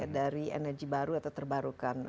dari energi baru atau terbarukan